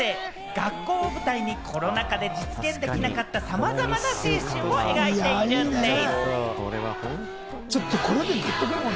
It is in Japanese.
学校を舞台にコロナ禍で実現できなかった、さまざまな青春を描いているんでぃす。